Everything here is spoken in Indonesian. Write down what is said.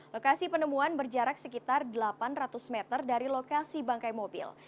lokasi penemuan berjarak sekitar delapan ratus meter dari lokasi bangkai mobil